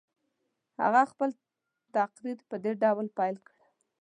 هغه خپل تقریر په دې ډول پیل کړ.